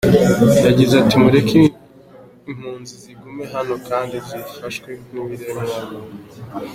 Yagize ati: “mureke impunzi zigume hano kandi zifashwe nk’ibiremwamuntu.